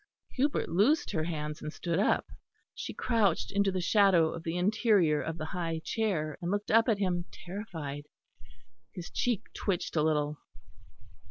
Hubert loosed her hands and stood up. She crouched into the shadow of the interior of the high chair, and looked up at him, terrified. His cheek twitched a little.